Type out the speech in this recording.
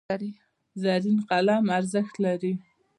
زرین قلم ارزښت لري.